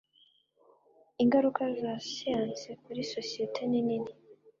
Ingaruka za siyanse kuri societe ni nini